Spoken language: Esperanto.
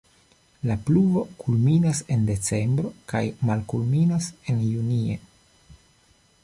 La pluvo kulminas en decembro kaj malkulminas en junie.